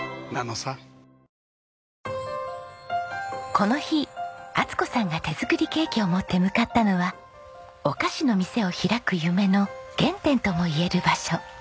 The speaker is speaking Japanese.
この日充子さんが手作りケーキを持って向かったのはお菓子の店を開く夢の原点ともいえる場所。